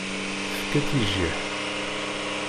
Tefka-tt i jjiḥ.